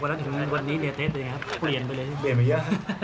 เปลี่ยนมาเยอะ